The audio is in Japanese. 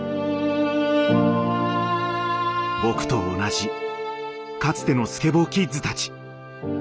僕と同じかつてのスケボーキッズたち。